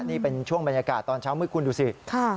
นี่เป็นช่วงบรรยากาศตอนเช้ามืดคุณดูสิ